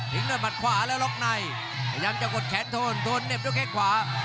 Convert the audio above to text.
ด้วยหมัดขวาแล้วล็อกในพยายามจะกดแขนโทนโทนเหน็บด้วยแข้งขวา